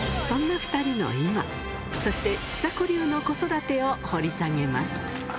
そんな２人の今、そして、ちさ子流の子育てを掘り下げます。